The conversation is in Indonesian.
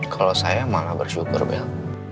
kalau saya malah bersyukur bel